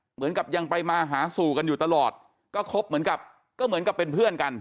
เหมือนกับยังไปมาหาสู่กันอยู่ตลอดก็คบเหมือนกับก็เหมือนกับเป็นเพื่อนกัน